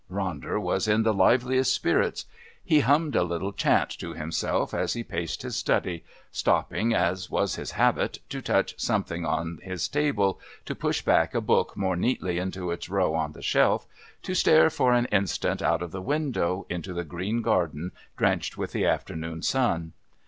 Ronder was in the liveliest spirits. He hummed a little chant to himself as he paced his study, stopping, as was his habit, to touch something on his table, to push back a book more neatly into its row on the shelf, to stare for an instant out of the window into the green garden drenched with the afternoon sun.